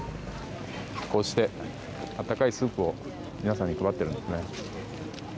こうして温かいスープを皆さんに配っているんですね。